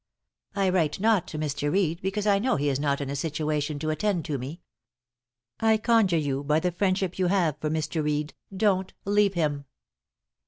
I write not to Mr. Reed because I know he is not in a situation to attend to me. I conjure you by the friendship you have for Mr. Reed, don't leave him.